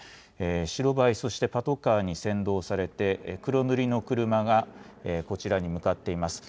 白バイ、そしてパトカーに先導されて、黒塗りの車がこちらに向かっています。